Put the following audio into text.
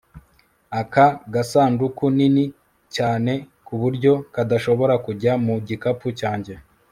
Aka gasanduku nini cyane kuburyo kadashobora kujya mu gikapu cyanjye